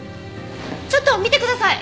ちょっと見てください！